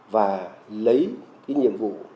và lấy cái nhiệm vụ